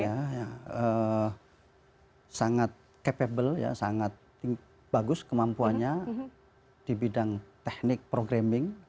ya sangat capable ya sangat bagus kemampuannya di bidang teknik programming